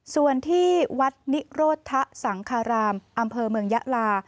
ส่วนที่วัดนิโรธสังคารามอำเภอเมืองยะลา